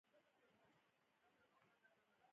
تشو کورونو ته يې توپونه نيولي دي.